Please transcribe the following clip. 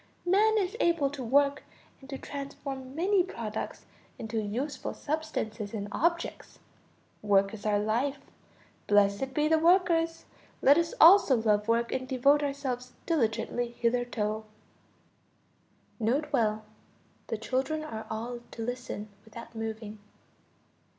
Man is able to work and to transform many products into useful substances and objects. Work is our life. Blessed be the workers! Let us also love work and devote ourselves diligently thereto. (N.B. The children are all to listen without moving.)